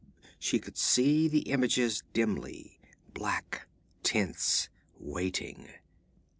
She could see the images dimly, black, tense waiting.